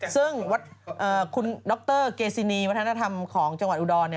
ซึ่งคุณดรเกซินีวัฒนธรรมของจังหวัดอุดร